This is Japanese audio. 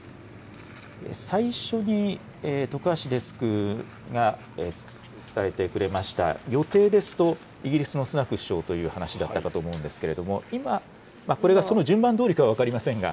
最初に徳橋デスクが伝えてくれました、予定ですと、イギリスのスナク首相という話だったかと思うんですけれども、今、これがその順番どおりかは分かりませんが。